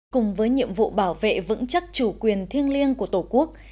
cùng với nhiệm vụ bảo vệ vững chắc chủ quyền thiêng liêng của tổ quốc